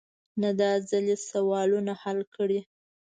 نه داځل يې سوالونه حل کړي.